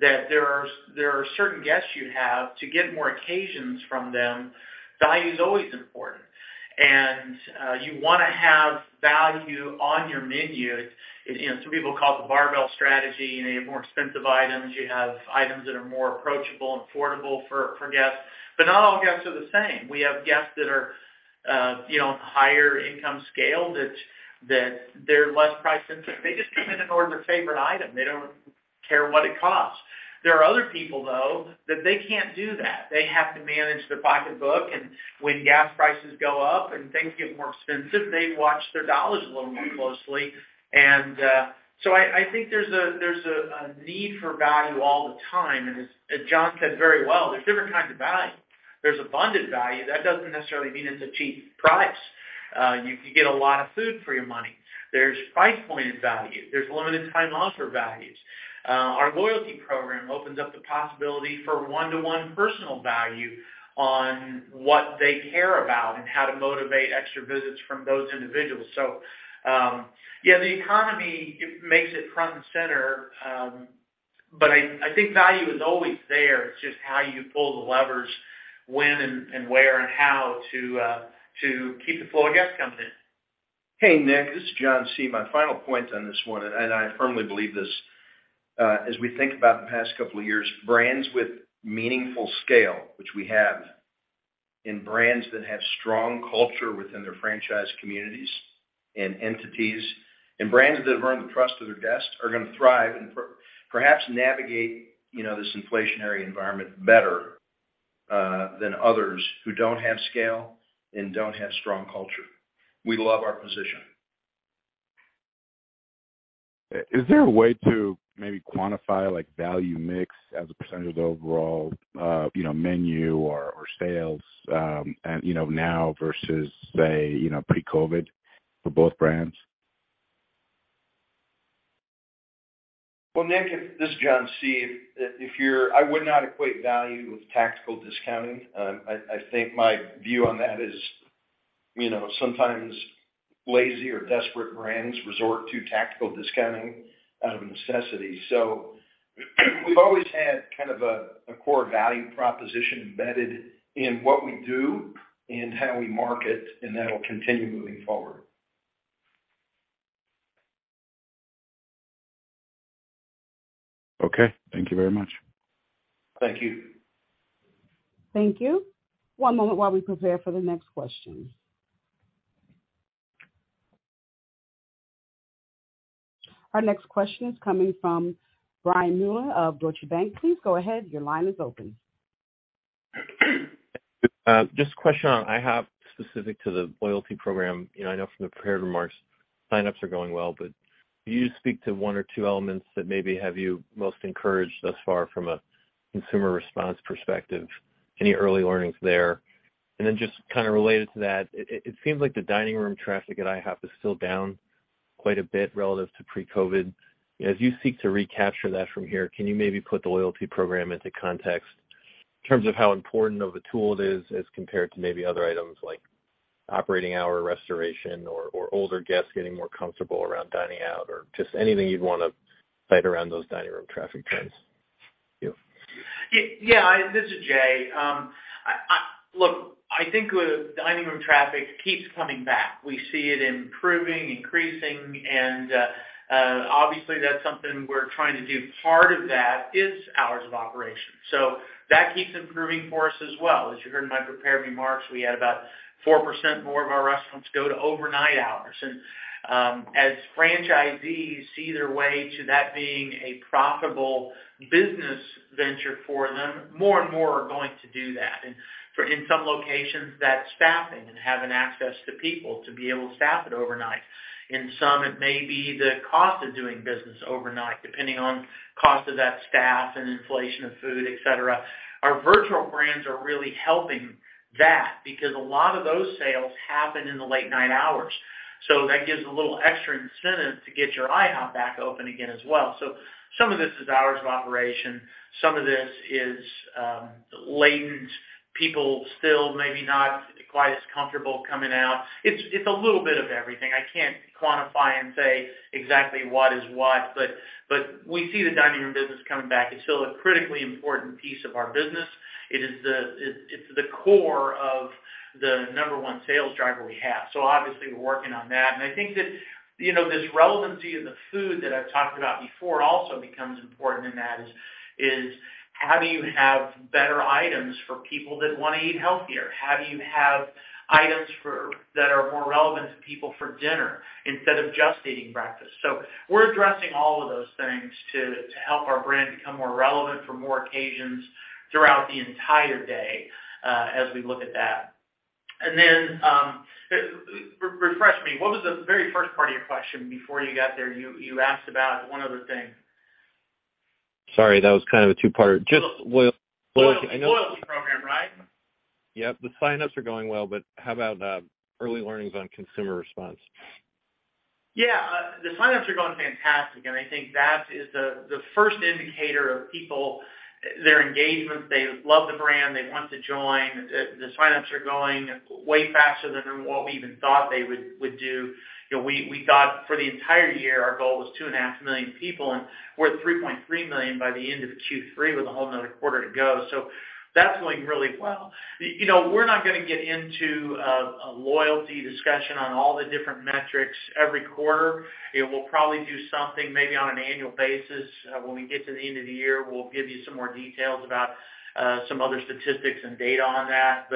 that there are certain guests you have to get more occasions from them. Value is always important. You wanna have value on your menu. You know, some people call it the barbell strategy, and you have more expensive items. You have items that are more approachable and affordable for guests. But not all guests are the same. We have guests that are, you know, higher income scale, that they're less price sensitive. They just come in and order their favorite item. They don't care what it costs. There are other people, though, that they can't do that. They have to manage their pocketbook. When gas prices go up and things get more expensive, they watch their dollars a little more closely. I think there's a need for value all the time. As John said very well, there's different kinds of value. There's abundant value. That doesn't necessarily mean it's a cheap price. You can get a lot of food for your money. There's price-pointed value. There's limited-time offer values. Our loyalty program opens up the possibility for one-to-one personal value on what they care about and how to motivate extra visits from those individuals. Yeah, the economy makes it front and center. I think value is always there. It's just how you pull the levers when and where and how to keep the flow of guests coming in. Hey, Nick, this is John C. My final point on this one, and I firmly believe this, as we think about the past couple of years, brands with meaningful scale, which we have, and brands that have strong culture within their franchise communities and entities, and brands that have earned the trust of their guests are gonna thrive and perhaps navigate, you know, this inflationary environment better than others who don't have scale and don't have strong culture. We love our position. Is there a way to maybe quantify like value mix as a percentage of overall, you know, menu or sales, and, you know, now versus say, you know, pre-COVID for both brands? Well, Nick, this is John C. I would not equate value with tactical discounting. I think my view on that is, you know, sometimes lazy or desperate brands resort to tactical discounting out of necessity. We've always had kind of a core value proposition embedded in what we do and how we market, and that'll continue moving forward. Okay. Thank you very much. Thank you. Thank you. One moment while we prepare for the next question. Our next question is coming from Brian Mullan of Deutsche Bank. Please go ahead. Your line is open. Just a question on IHOP specific to the loyalty program. You know, I know from the prepared remarks, signups are going well, but can you speak to one or two elements that maybe have you most encouraged thus far from a consumer response perspective, any early learnings there? Just kind of related to that, it seems like the dining room traffic at IHOP is still down quite a bit relative to pre-COVID. As you seek to recapture that from here, can you maybe put the loyalty program into context in terms of how important of a tool it is as compared to maybe other items like operating hour restoration or older guests getting more comfortable around dining out or just anything you'd wanna cite around those dining room traffic trends? Thank you. Yeah. This is Jay. Look, I think the dining room traffic keeps coming back. We see it improving, increasing, and obviously, that's something we're trying to do. Part of that is hours of operation. That keeps improving for us as well. As you heard in my prepared remarks, we had about 4% more of our restaurants go to overnight hours. As franchisees see their way to that being a profitable business venture for them, more and more are going to do that. For in some locations that's staffing and having access to people to be able to staff it overnight. In some, it may be the cost of doing business overnight, depending on cost of that staff and inflation of food, et cetera. Our virtual brands are really helping that because a lot of those sales happen in the late night hours. That gives a little extra incentive to get your IHOP back open again as well. Some of this is hours of operation. Some of this is a lot of people still maybe not quite as comfortable coming out. It's a little bit of everything. I can't quantify and say exactly what is what, but we see the dining room business coming back. It's still a critically important piece of our business. It's the core of the number one sales driver we have. Obviously we're working on that. I think that, you know, this relevancy of the food that I've talked about before also becomes important in that, is how do you have better items for people that wanna eat healthier? How do you have items that are more relevant to people for dinner instead of just eating breakfast? We're addressing all of those things to help our brand become more relevant for more occasions throughout the entire day, as we look at that. Refresh me, what was the very first part of your question before you got there? You asked about one other thing. Sorry, that was kind of a two-parter. Loyalty program, right? Yep. The signups are going well, but how about early learnings on consumer response? Yeah. The signups are going fantastic, and I think that is the first indicator of people their engagement. They love the brand. They want to join. The signups are going way faster than what we even thought they would do. You know, we thought for the entire year, our goal was 2.5 million people, and we're at 3.3 million by the end of Q3 with a whole another quarter to go. That's going really well. You know, we're not gonna get into a loyalty discussion on all the different metrics every quarter. It will probably do something maybe on an annual basis. When we get to the end of the year, we'll give you some more details about some other statistics and data on that.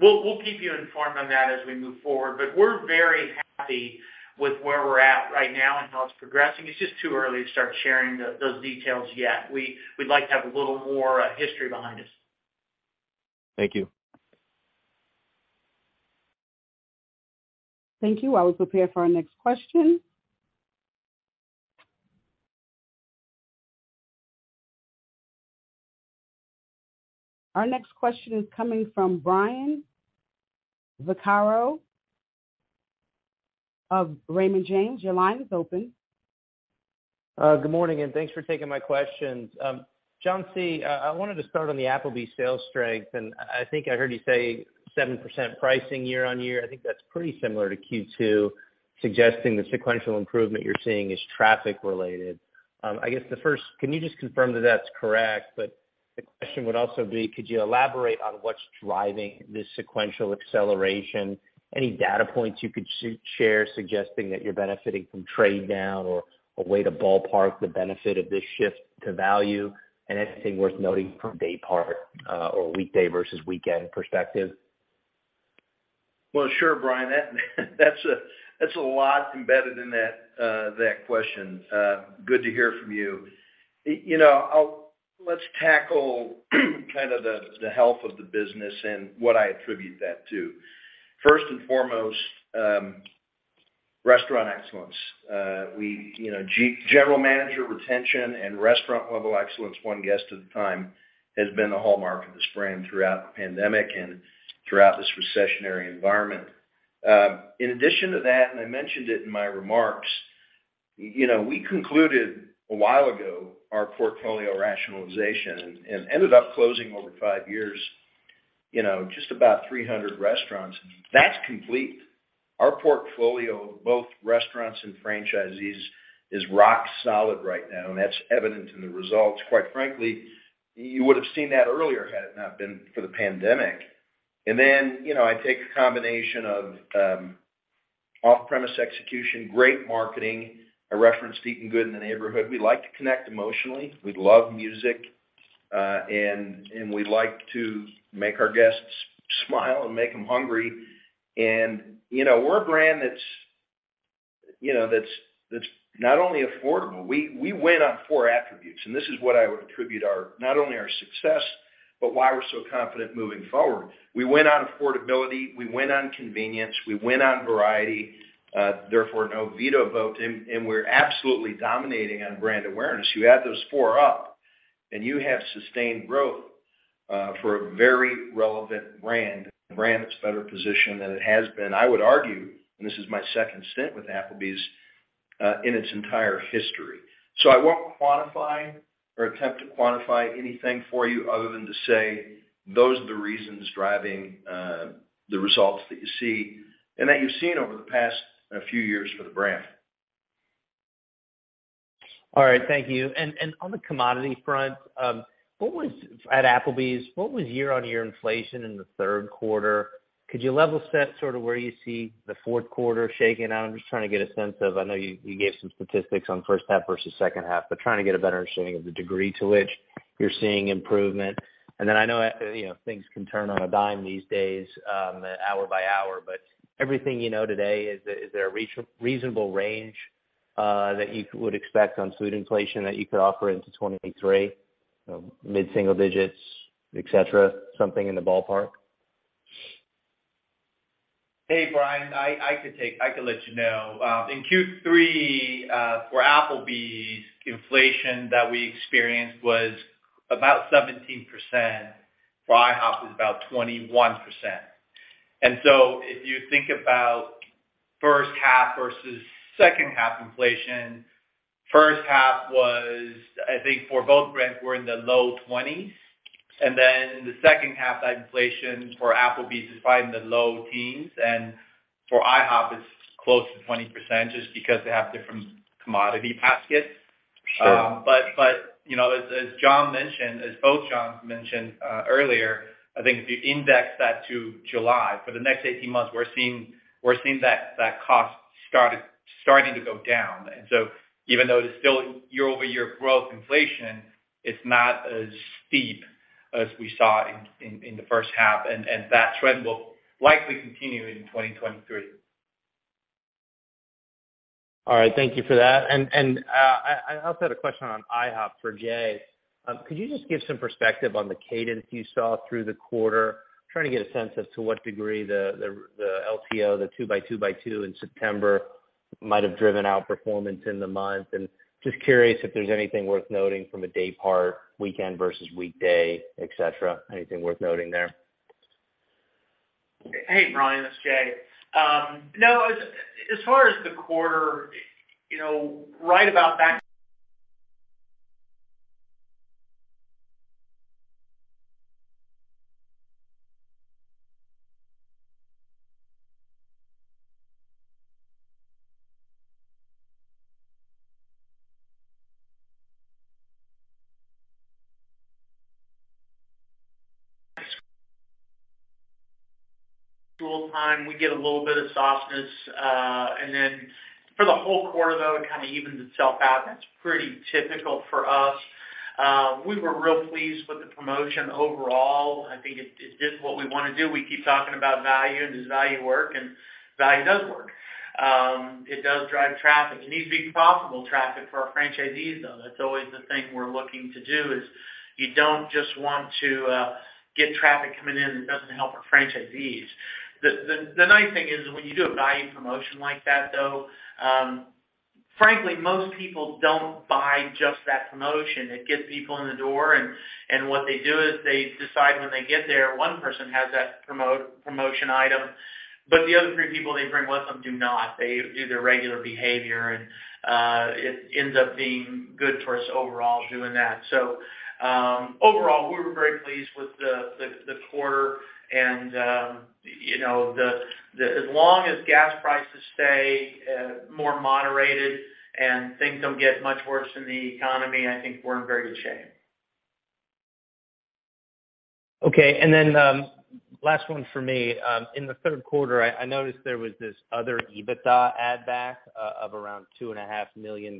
We'll keep you informed on that as we move forward. We're very happy with where we're at right now and how it's progressing. It's just too early to start sharing those details yet. We'd like to have a little more history behind us. Thank you. Thank you. While we prepare for our next question. Our next question is coming from Brian Vaccaro of Raymond James. Your line is open. Good morning, and thanks for taking my questions. John C., I wanted to start on the Applebee's sales strength, and I think I heard you say 7% pricing year-over-year. I think that's pretty similar to Q2, suggesting the sequential improvement you're seeing is traffic related. I guess the first, can you just confirm that that's correct? The question would also be, could you elaborate on what's driving this sequential acceleration? Any data points you could share suggesting that you're benefiting from trade down or a way to ballpark the benefit of this shift to value and anything worth noting from day part, or weekday versus weekend perspective? Well, sure, Brian. That's a lot embedded in that question. Good to hear from you. You know, let's tackle kind of the health of the business and what I attribute that to. First and foremost, restaurant excellence. We, you know, general manager retention and restaurant level excellence one guest at a time has been the hallmark of this brand throughout the pandemic and throughout this recessionary environment. In addition to that, I mentioned it in my remarks. You know, we concluded a while ago our portfolio rationalization and ended up closing over five years, you know, just about 300 restaurants. That's complete. Our portfolio, both restaurants and franchisees, is rock solid right now, and that's evident in the results. Quite frankly, you would have seen that earlier had it not been for the pandemic. I take a combination of off-premise execution, great marketing, a reference to Eatin' Good in the Neighborhood. We like to connect emotionally. We love music, and we like to make our guests smile and make them hungry. You know, we're a brand that's not only affordable. We win on four attributes, and this is what I would attribute our success, but why we're so confident moving forward. We win on affordability. We win on convenience. We win on variety, therefore no veto vote, and we're absolutely dominating on brand awareness. You add those four up, and you have sustained growth for a very relevant brand, a brand that's better positioned than it has been, I would argue, and this is my second stint with Applebee's in its entire history. I won't quantify or attempt to quantify anything for you other than to say those are the reasons driving the results that you see and that you've seen over the past few years for the brand. All right. Thank you. On the commodity front, what was at Applebee's, what was year-on-year inflation in the third quarter? Could you level set sort of where you see the fourth quarter shaking out? I'm just trying to get a sense of. I know you gave some statistics on first half versus second half, but trying to get a better understanding of the degree to which you're seeing improvement. I know, you know, things can turn on a dime these days, hour by hour. But everything you know today, is there a reasonable range that you would expect on food inflation that you could offer into 2023? Mid-single digits, et cetera? Something in the ballpark. Hey, Brian, I could let you know. In Q3, for Applebee's inflation that we experienced was about 17%. For IHOP, it's about 21%. If you think about first half versus second half inflation, first half was, I think for both brands were in the low 20s. Then the second half, that inflation for Applebee's is probably in the low teens. For IHOP, it's close to 20% just because they have different commodity baskets. Sure. You know, as John mentioned, as both Johns mentioned, earlier, I think if you index that to July, for the next 18 months, we're seeing that cost starting to go down. Even though it is still year-over-year growth inflation, it's not as steep as we saw in the first half. That trend will likely continue in 2023. All right. Thank you for that. I also had a question on IHOP for Jay. Could you just give some perspective on the cadence you saw through the quarter? Trying to get a sense as to what degree the LTO, the two by two by two in September might have driven outperformance in the month. Just curious if there's anything worth noting from a day part, weekend versus weekday, et cetera. Anything worth noting there? Hey, Brian, it's Jay. No, as far as the quarter, you know, right about back-to-school time, we get a little bit of softness. Then for the whole quarter, though, it kind of evens itself out, and it's pretty typical for us. We were real pleased with the promotion overall. I think it did what we want to do. We keep talking about value and does value work, and value does work. It does drive traffic. It needs to be profitable traffic for our franchisees, though. That's always the thing we're looking to do, is you don't just want to get traffic coming in that doesn't help our franchisees. The nice thing is when you do a value promotion like that, though, frankly, most people don't buy just that promotion. It gets people in the door and what they do is they decide when they get there, one person has that promotion item, but the other three people they bring with them do not. They do their regular behavior and it ends up being good for us overall doing that. Overall, we're very pleased with the quarter and you know, as long as gas prices stay more moderated and things don't get much worse in the economy, I think we're in very good shape. Okay. Last one for me. In the third quarter, I noticed there was this other EBITDA add back of around $2.5 million.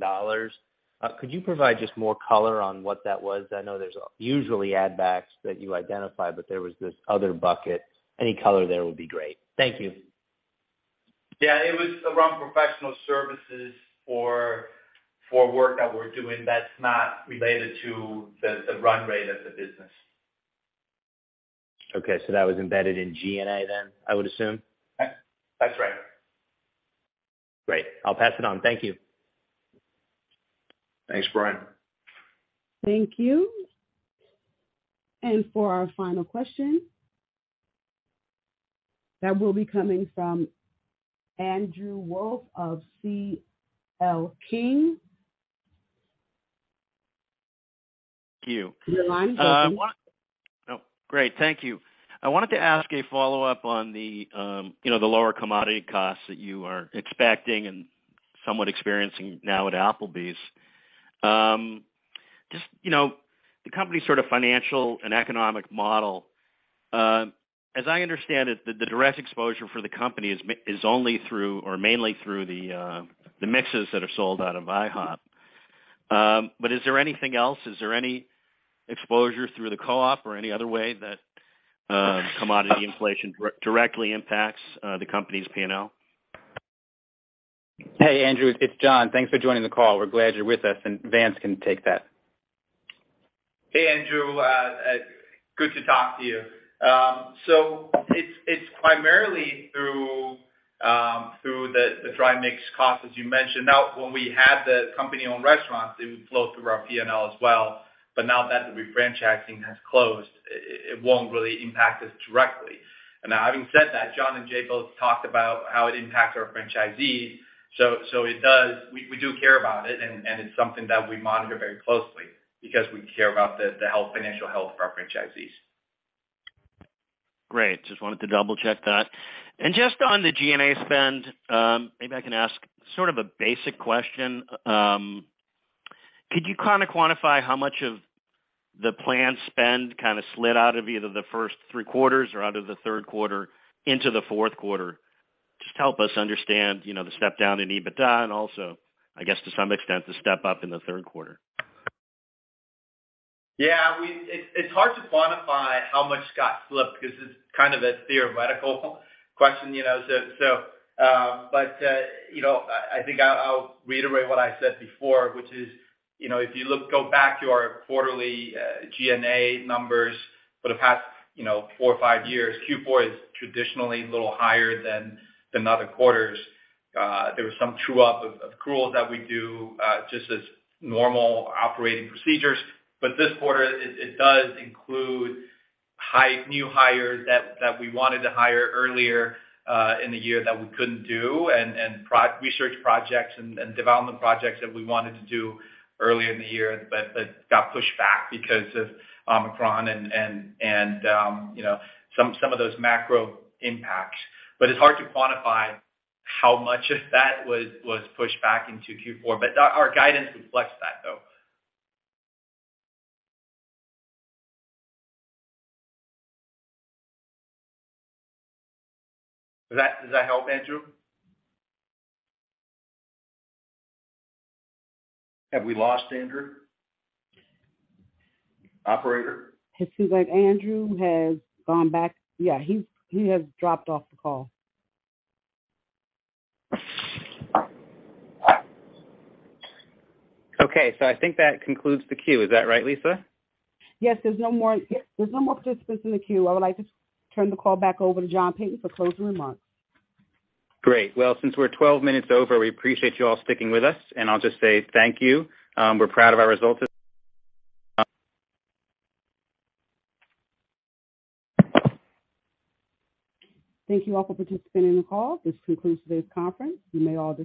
Could you provide just more color on what that was? I know there's usually add backs that you identify, but there was this other bucket. Any color there would be great. Thank you. Yeah, it was around professional services for work that we're doing that's not related to the run rate of the business. Okay. That was embedded in G&A then, I would assume. That's right. Great. I'll pass it on. Thank you. Thanks, Brian. Thank you. For our final question, that will be coming from Andrew Wolf of C.L. King. Thank you. Your line is open. Oh, great. Thank you. I wanted to ask a follow-up on the, you know, the lower commodity costs that you are expecting and somewhat experiencing now at Applebee's. Just, you know, the company's sort of financial and economic model, as I understand it, the direct exposure for the company is only through or mainly through the mixes that are sold out of IHOP. But is there anything else? Is there any exposure through the co-op or any other way that commodity inflation directly impacts the company's P&L? Hey, Andrew, it's John. Thanks for joining the call. We're glad you're with us, and Vance can take that. Hey, Andrew, good to talk to you. So it's primarily through the dry mix cost, as you mentioned. Now, when we had the company-owned restaurants, it would flow through our P&L as well, but now that the refranchising has closed, it won't really impact us directly. Now, having said that, John and Jay both talked about how it impacts our franchisees. It does. We do care about it, and it's something that we monitor very closely because we care about the financial health of our franchisees. Great. Just wanted to double-check that. Just on the G&A spend, maybe I can ask sort of a basic question. Could you kinda quantify how much of the planned spend kinda slid out of either the first three quarters or out of the third quarter into the fourth quarter? Just help us understand, you know, the step down in EBITDA and also, I guess to some extent, the step up in the third quarter. It's hard to quantify how much got slipped because it's kind of a theoretical question, you know. But you know, I think I'll reiterate what I said before, which is, you know, if you look back to our quarterly G&A numbers for the past, you know, four or five years, Q4 is traditionally a little higher than other quarters. There was some true up of accruals that we do just as normal operating procedures. This quarter, it does include new hires that we wanted to hire earlier in the year that we couldn't do and research projects and development projects that we wanted to do earlier in the year but got pushed back because of Omicron and you know, some of those macro impacts. It's hard to quantify how much of that was pushed back into Q4. Our guidance reflects that, though. Does that help, Andrew? Have we lost Andrew? Operator? It seems like Andrew has gone back. Yeah, he has dropped off the call. Okay. I think that concludes the queue. Is that right, Lisa? Yes, there's no more participants in the queue. I would like to turn the call back over to John Peyton for closing remarks. Great. Well, since we're 12 minutes over, we appreciate you all sticking with us. I'll just say thank you. We're proud of our results this. Thank you all for participating in the call. This concludes today's conference. You may all disconnect.